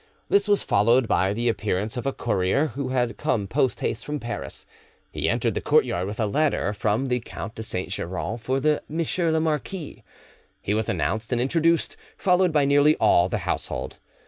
This was followed by the appearance of a courier who had come post haste from Paris; he entered the courtyard with a letter from the Count de Saint Geran for M. the marquis; he was announced and introduced, followed by nearly all the household.